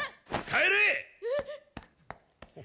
帰れ！